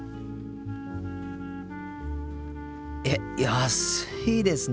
えっ安いですね。